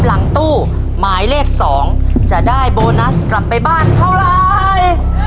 หลังตู้หมายเลข๒จะได้โบนัสกลับไปบ้านเท่าไร